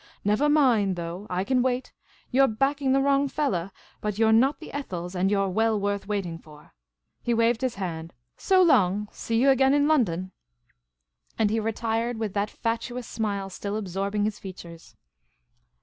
Nevah mind, though, I can wait ; you 're backing the wrong fellah — but you 're not the Ethels, and you 're well worth waiting for." He waved his hand. " So long ! See yah again in London." And he retired, with that fatuous smile still absorbing his features.